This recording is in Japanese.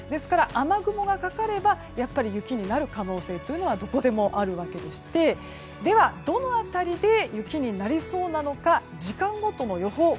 雨雲がかかればやっぱり雪になる可能性というのはどこでもあるわけでしてでは、どの辺りで雪になりそうなのか時間ごとの予報